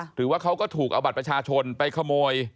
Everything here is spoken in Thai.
หรือว่าเขาก็ถูกเอาบัตรประชาชนไปขโมย